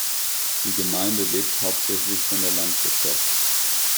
Die Gemeinde lebt hauptsächlich von der Landwirtschaft.